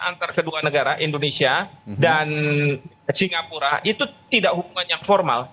antara kedua negara indonesia dan singapura itu tidak hubungan yang formal